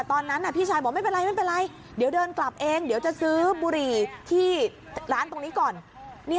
ตอนนั้นพี่ชายบอกไม่เป็นไรไม่เป็นไรเดี๋ยวเดินกลับเองเดี๋ยวจะซื้อบุหรี่ที่ร้านตรงนี้ก่อน